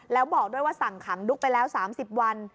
แล้วบอกด้วยว่าสั่งขังดุ๊กไปแล้ว๓๐วัน